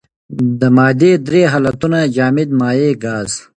د مادې درې حالتونه جامد مايع ګاز.